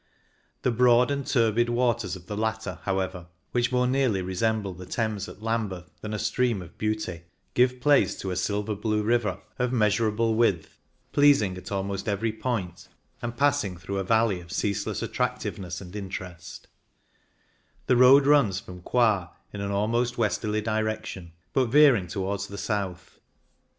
The broad and turbid waters of the latter, how ever, which more nearly resemble the Thames at Lambeth than a stream of beauty, give place to a silver blue river of 102 THE OBERALP 103 measurable width, pleasing at almost every point, and passing through a valley of ceaseless attractiveness and interest The road runs from Coire in an almost westerly direction, but veering towards the south.